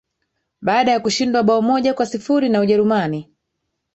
Baada ya kushindwa bao moja kwa sifuri na Ujerumani